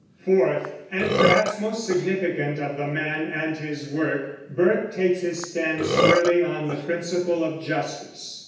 Fourth (and perhaps most significant of the man and his work), Burke takes his stand squarely upon the principle of justice.